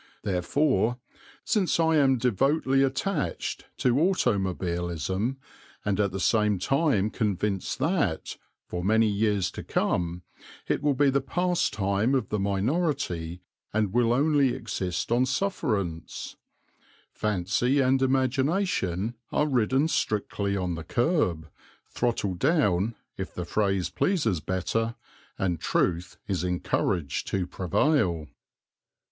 Therefore, since I am devotedly attached to Automobilism, and at the same time convinced that, for many years to come, it will be the pastime of the minority and will only exist on sufferance, fancy and imagination are ridden strictly on the curb, throttled down, if the phrase pleases better, and truth is encouraged to prevail.